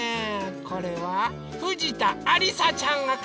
これはふじたありさちゃんがかいてくれました。